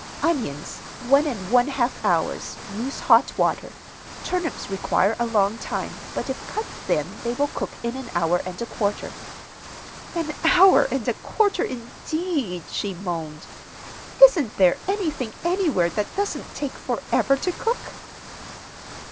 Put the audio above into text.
"Onions, one and one half hours. Use hot water. Turnips require a long time, but if cut thin they will cook in an hour and a quarter." "An hour and a quarter, indeed!" she moaned. "Isn't there anything anywhere that doesn't take forever to cook?"